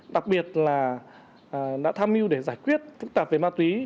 đặc biệt là đã tham mưu để giải quyết phức tạp về ma túy